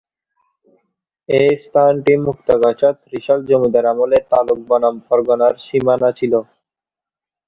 এই স্থানটি মুক্তাগাছা-ত্রিশাল জমিদার আমলে তালুক বনাম পরগনার সীমানা ছিল।